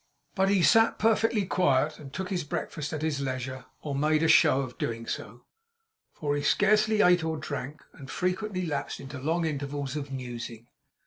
But he sat perfectly quiet and took his breakfast at his leisure, or made a show of doing so, for he scarcely ate or drank, and frequently lapsed into long intervals of musing.